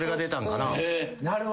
なるほどね。